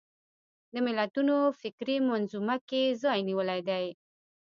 د ملتونو فکري منظومه کې ځای نیولی دی